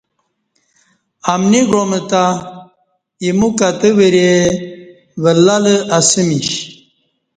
امنی گعام تہ ایمو کتہ وری ولہ لہ اسمیش